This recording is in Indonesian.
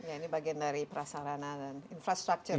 ini bagian dari prasarana dan infrastruktur ya